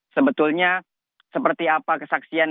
sebetulnya seperti apa kesaksian